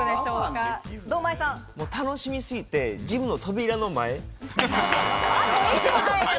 楽しみすぎてジムの扉の前。